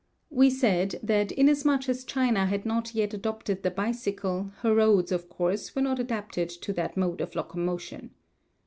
We said that inasmuch as China had not yet adopted the bicycle, her roads, of course, were not adapted to that mode of locomotion.